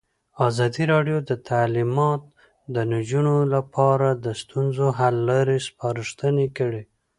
ازادي راډیو د تعلیمات د نجونو لپاره د ستونزو حل لارې سپارښتنې کړي.